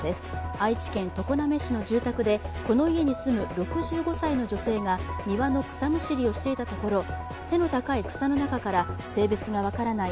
愛知県常滑市の住宅でこの家に住む６５歳の女性が庭の草むしりをしていたところ背の高い草の中から性別が分からない